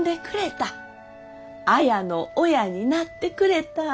綾の親になってくれた。